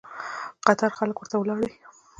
قطار خلک ورته ولاړ وي.